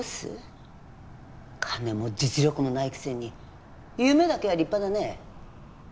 金も実力もないくせに夢だけは立派だね。